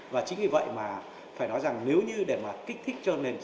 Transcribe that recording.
và chính vì vậy mà phải nói rằng nếu như để mà kích thích cho nền